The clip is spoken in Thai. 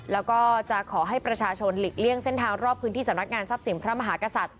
แล้วก็จะขอให้ประชาชนหลีกเลี่ยงเส้นทางรอบพื้นที่สำนักงานทรัพย์สินพระมหากษัตริย